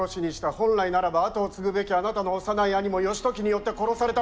本来ならば跡を継ぐべき、あなたの幼い兄も義時によって殺された。